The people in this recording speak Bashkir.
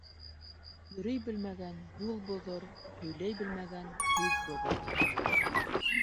Йөрөй белмәгән юл боҙор, һөйләй белмәгән һүҙ боҙор.